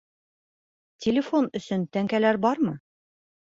Телефон өсөн тәңкәләр бармы?